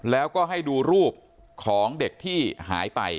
แล้วก็ให้ดูรูปของเด็กที่หายไป